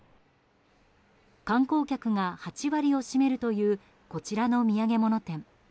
観光客が８割を占めるというこちらの土産物店。